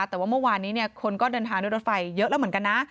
แต่ว่าเมื่อวานนี้คนก็เดินทางด้วยรถไฟเยอะแล้วเหมือนกันนะ